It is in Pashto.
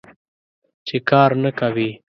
چې کار نه کوې.